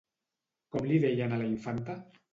Com li deien a la infanta?